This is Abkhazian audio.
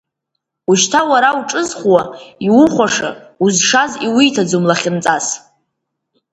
Ушьҭа уара уҿызхуа, иухәаша, узшаз иуиҭаӡом лахьынҵас.